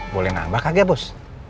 boleh nambah kaget bos